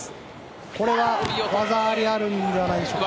これは技ありあるんではないでしょうか。